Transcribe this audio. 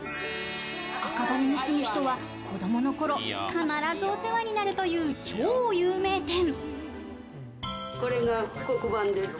赤羽に住む人は子どものころ必ずお世話になるという超有名店。